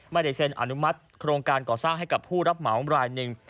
ไม่ได้เซ็นอนุมัติโครงการก่อสร้างให้กับผู้รับเหมารายหนึ่ง